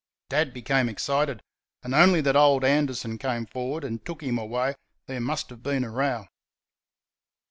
Dad became excited, and only that old Anderson came forward and took him away there must have been a row.